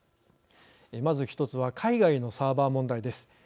まず１つは海外のサーバー問題です。